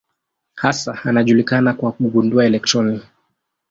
Hasa anajulikana kwa kugundua elektroni.